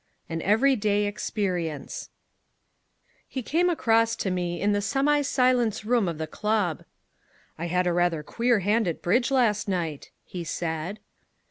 An Every Day Experience He came across to me in the semi silence room of the club. "I had a rather queer hand at bridge last night," he said.